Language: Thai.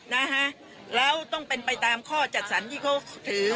แล้วต้องไปตามข้อจัดสรรที่เขาถือ